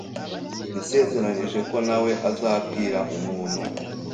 Yasezeranije ko ntawe azabwira umuntu.